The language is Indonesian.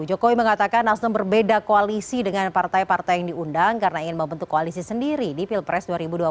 jokowi mengatakan nasdem berbeda koalisi dengan partai partai yang diundang karena ingin membentuk koalisi sendiri di pilpres dua ribu dua puluh